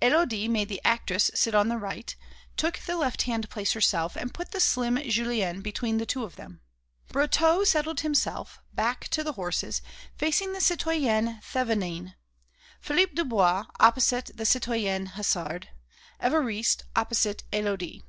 Élodie made the actress sit on the right, took the left hand place herself and put the slim Julienne between the two of them. Brotteaux settled himself, back to the horses, facing the citoyenne Thévenin; Philippe Dubois, opposite the citoyenne Hasard; Évariste opposite Élodie.